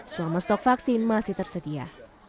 selama stok vaksin masih tersedia